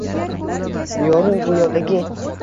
Yorug’ dunyodagi